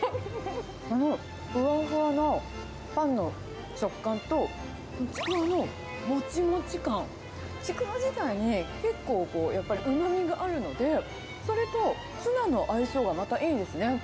このふわふわのパンの食感と、ちくわのもちもち感、ちくわ自体に結構、やっぱりうまみがあるので、それとツナの相性がまたいいですね。